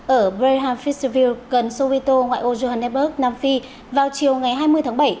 ở braham fisherville gần soweto ngoại ô johannesburg nam phi vào chiều ngày hai mươi tháng bảy